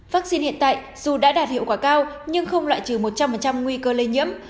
vaccine hiện tại dù đã đạt hiệu quả cao nhưng không loại trừ một trăm linh nguy cơ lây nhiễm